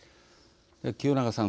清永さん。